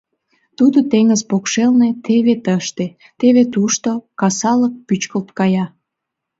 Тудо теҥыз покшелне теве тыште, теве тушто касалык пӱчкылт кая.